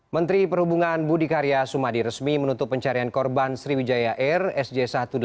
menteri perhubungan budi karya sumadi resmi menutup pencarian korban sriwijaya air sj satu ratus delapan puluh